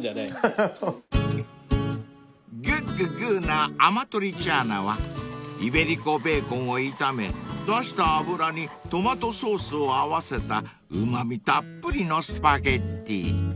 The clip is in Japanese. ［グーググーなアマトリチャーナはイベリコベーコンを炒め出した脂にトマトソースを合わせたうま味たっぷりのスパゲティ］